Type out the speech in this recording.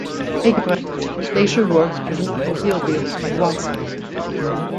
Eggebrecht later worked as an automobile dealer in Wausau.